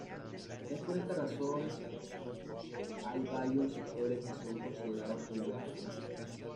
Es por esta razón hay varios sectores que son considerados como barrios.